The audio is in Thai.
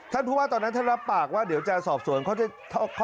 ท่านผู้ว่าตอนนั้นท่านรับปากว่าเดี๋ยวจะสอบสูตรนะครับ